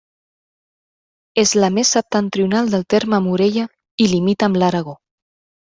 És la més septentrional del terme Morella i limita amb l'Aragó.